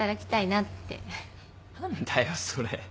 何だよそれ。